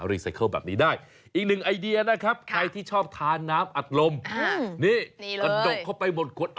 เปลดภาพแบบนี้ให้มันกลายเป็นโขมไฟ